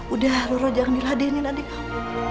udah loro jangan diladenin adik kamu